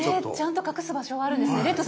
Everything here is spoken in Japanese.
ちゃんと隠す場所があるんですね。